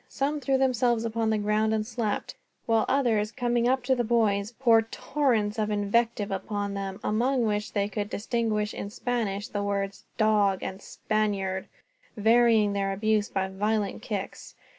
Some threw themselves upon the ground and slept; while others, coming up to the boys, poured torrents of invective upon them, among which they could distinguish in Spanish the words "dog" and "Spaniard," varying their abuse by violent kicks.